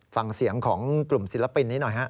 ฟังเสียงของกลุ่มศิลปินนี้หน่อยฮะ